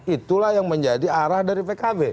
itulah yang menjadi arah dari pkb